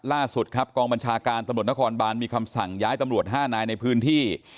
ล่าสุดครับกองบัญชาการตำรวจนครบานมีคำสั่งย้ายตำรวจ๕นายในพื้นที่